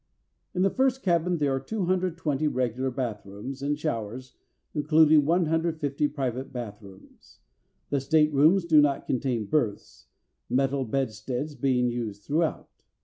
In the first cabin there are 220 regular bath rooms and showers, including 150 private bath rooms. The staterooms do not contain berths, metal bedsteads being used throughout.